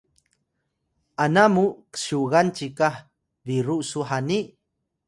ana mu ksyugan cikah biru su hani?